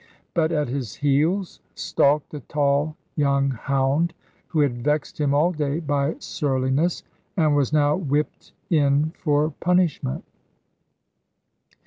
But at his heels stalked a tall young hound, who had vexed him all day by surliness, and was now whipped in for punishment.